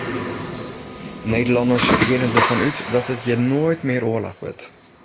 Nederlanners geane derfan út dat it hjir noait mear oarloch wurdt.